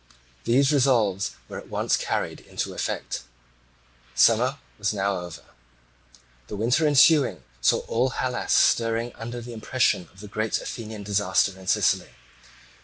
These resolves were at once carried into effect. Summer was now over. The winter ensuing saw all Hellas stirring under the impression of the great Athenian disaster in Sicily.